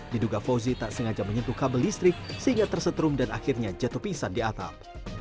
diduga fauzi tak sengaja menyentuh kabel listrik sehingga tersetrum dan akhirnya jatuh pingsan di atap